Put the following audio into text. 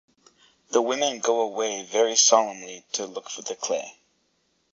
The women go away very solemnly to look for the clay.